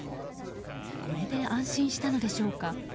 これで安心したのでしょうか。